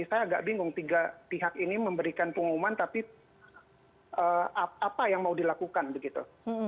saya agak bingung tiga pihak ini memberikan pengumuman tapi apa yang mau dilakukan begitu